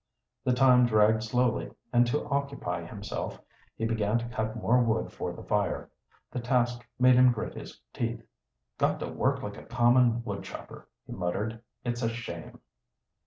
The time dragged slowly, and to occupy himself he began to cut more wood for the fire. The task made him grit his teeth. "Got to work like a common woodchopper," he muttered. "It's a shame!"